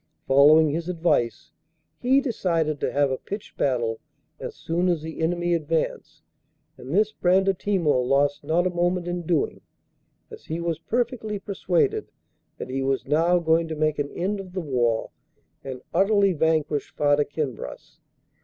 Following his advice, he decided to have a pitched battle as soon as the enemy advanced, and this Brandatimor lost not a moment in doing, as he was perfectly persuaded that he was now going to make an end of the war and utterly vanquish Farda Kinbras.